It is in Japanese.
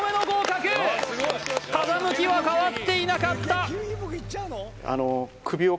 風向きは変わっていなかった